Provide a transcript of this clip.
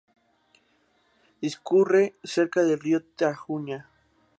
Discurre cerca el río Tajuña.